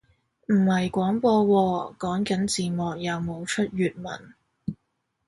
唔係廣播喎，講緊字幕有冇出粵文